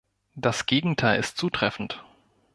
Das Gegenteil ist zutreffend.